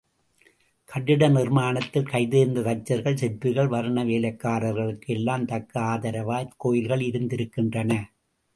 கட்டிட நிர்மாணத்தில் கைதேர்ந்த தச்சர்கள், சிற்பிகள், வர்ண வேலைக்காரர்களுக்கு எல்லாம் தக்க ஆதரவாய் கோயில்கள் இருந்திருக்கின்றன.